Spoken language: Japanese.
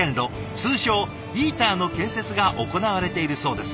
通称「イーター」の建設が行われているそうです。